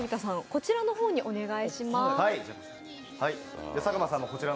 こちらにお願いします。